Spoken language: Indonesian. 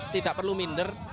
tidak perlu minder